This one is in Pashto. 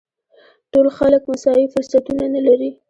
ټول خلک مساوي فرصتونه نه لري.